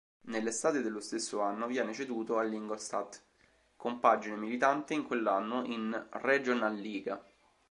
Nell'estate dello stesso anno viene ceduto all'Ingolstadt, compagine militante in quell'anno in Regionalliga.